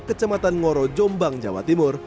kecamatan ngoro jombang jawa timur